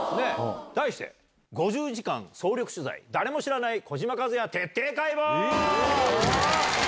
題して「５０時間総力取材誰も知らない児嶋一哉徹底解剖」。